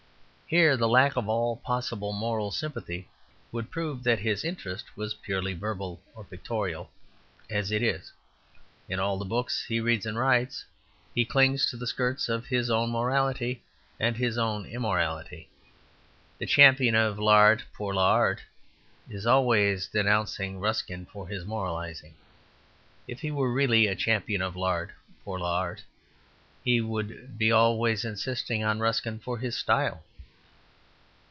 Here the lack of all possible moral sympathy would prove that his interest was purely verbal or pictorial, as it is; in all the books he reads and writes he clings to the skirts of his own morality and his own immorality. The champion of l'art pour l'art is always denouncing Ruskin for his moralizing. If he were really a champion of l'art pour l'art, he would be always insisting on Ruskin for his style.